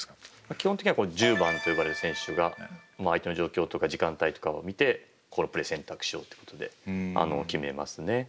基本的には１０番と呼ばれる選手が相手の状況とか時間帯とかを見てこのプレーを選択しようってことで決めますね。